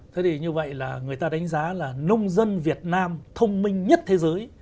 thế thì như vậy là người ta đánh giá là nông dân việt nam thông minh nhất thế giới